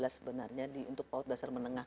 sebenarnya untuk paut dasar menengah